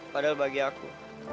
padahal bagi aku